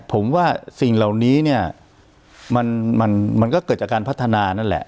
ผมว่าสิ่งเหล่านี้เนี่ยมันก็เกิดจากการพัฒนานั่นแหละ